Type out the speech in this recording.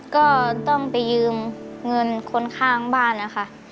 ก็ต้องไปยืมเงินคนข้างบ้านนะคะ